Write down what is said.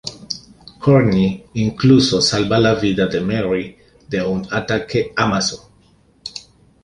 Courtney incluso salva la vida de Merry de un ataque Amazo.